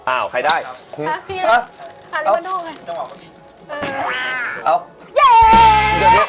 โอ้ใครได้ฮืมเอ้าเออเย้